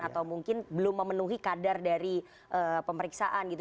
atau mungkin belum memenuhi kadar dari pemeriksaan gitu